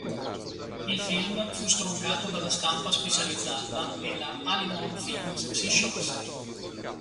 Il film fu stroncato dalla stampa specializzata e la Halimoen Films si sciolse.